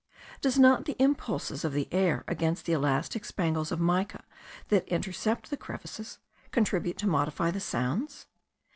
Does not the impulse of the air against the elastic spangles of mica that intercept the crevices, contribute to modify the sounds?